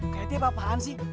kayati apaan sih